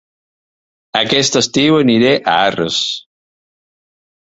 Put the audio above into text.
Aquest estiu aniré a Arres